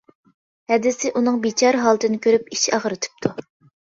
ھەدىسى ئۇنىڭ بىچارە ھالىتىنى كۆرۈپ ئىچ ئاغرىتىپتۇ.